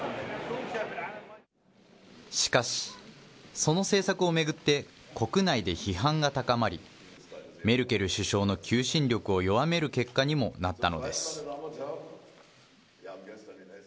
しかし、その政策を巡って、国内で批判が高まり、メルケル首相の求心力を弱める結果にもなったのです。